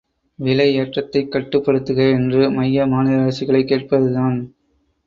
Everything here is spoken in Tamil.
விலை ஏற்றத்தைக் கட்டுப்படுத்துக என்று மைய மாநில அரசுகளைக் கேட்பதுதான்!